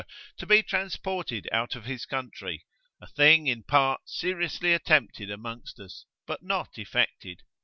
to be transported out of his country,—a thing in part seriously attempted amongst us, but not effected.